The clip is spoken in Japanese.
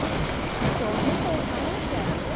今日２３日やで。